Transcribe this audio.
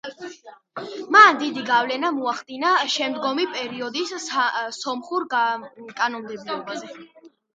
მან დიდი გავლენა მოახდინა შემდგომი პერიოდის სომხურ კანონმდებლობაზე.